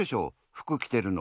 服きてるの。